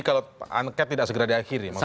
kalau angke tidak segera diakhiri